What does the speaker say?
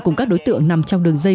cùng các đối tượng nằm trong đường dây